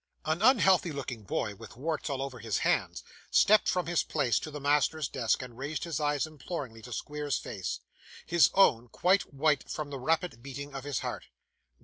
An unhealthy looking boy, with warts all over his hands, stepped from his place to the master's desk, and raised his eyes imploringly to Squeers's face; his own, quite white from the rapid beating of his heart.